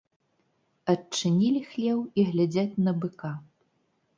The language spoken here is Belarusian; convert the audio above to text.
Адчынілі хлеў і глядзяць на быка.